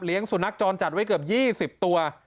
เลี้ยงสุนนักจรจัดไว้เกือบยี่สิบตัว